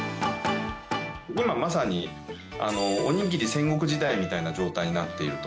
今まさに、おにぎり戦国時代みたいな状態になっていると。